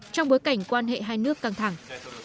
trong bối cảnh quan hệ hai nước căng thẳng